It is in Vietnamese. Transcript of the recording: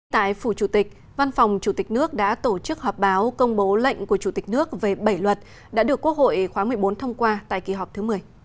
tại phủ chủ tịch văn phòng chủ tịch nước đã tổ chức họp báo công bố lệnh của chủ tịch nước về bảy luật đã được quốc hội khóa một mươi bốn thông qua tại kỳ họp thứ một mươi